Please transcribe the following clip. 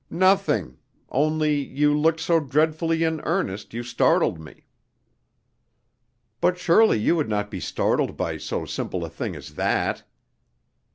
"Nothing; only you looked so dreadfully in earnest, you startled me." "But surely you would not be startled by so simple a thing as that!"